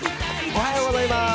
おはようございます。